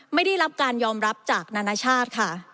ไม่ได้รับการยอมรับจากนานาชาติค่ะ